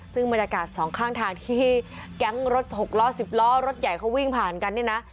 ซึ่งบรรยากาศสองข้างทางที่แก๊งรถหกล้อ๑๐ล้อรถใหญ่เขาวิ่งผ่านกันเนี่ยนะ